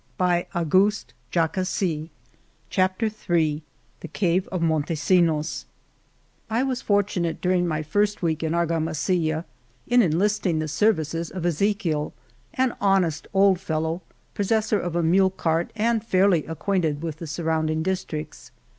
60 Ill The Cave of Montesinos The Cave of Montesinos I Was fortunate during my first week in Argamasilla in enlisting the services of Ezechiel, an honest old fellow, possessor of a mule cart, and fairly acquainted with the surrounding districts.